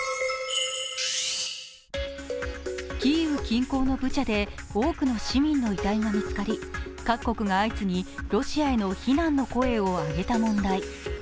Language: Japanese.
キーウ近郊のブチャで多くの市民の遺体が見つかり各国が相次ぎ、ロシアへの非難の声を上げた問題。